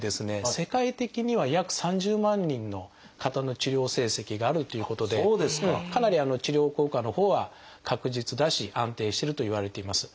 世界的には約３０万人の方の治療成績があるっていうことでかなり治療効果のほうは確実だし安定してるといわれています。